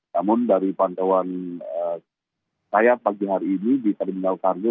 namun dari pantauan saya pagi hari ini di terminal kargo